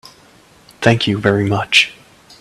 Thank you very much.